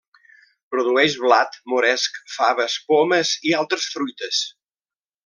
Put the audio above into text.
Produeix blat, moresc, faves, pomes, i altres fruites.